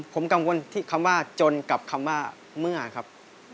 ผมกังวลที่คำว่าจนกับคำว่าเมื่อครับ